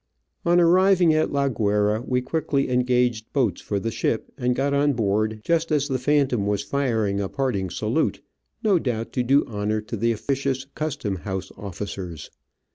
On arriving at La Guayra, we quickly engaged boats for the ship and got on board just as the Phantom was firing a parting salute, no doubt to do honour to the officious custom house officers.